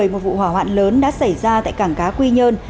một vụ hỏa hoạn lớn đã xảy ra tại cảng cá quy nhơn